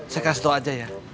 saya kasih tahu aja ya